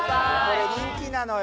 これ人気なのよ